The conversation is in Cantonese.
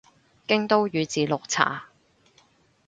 京都宇治綠茶